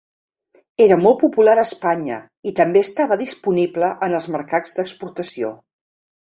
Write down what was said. Era molt popular a Espanya i també estava disponible en els mercats d'exportació.